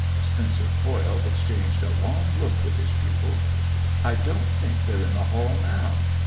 Spencer Coyle exchanged a long look with his pupil. "I don't think they're in the hall now.